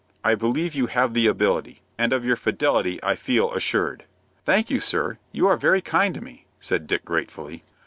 I believe you have the ability, and of your fidelity I feel assured." "Thank you, sir; you are very kind to me," said Dick, gratefully.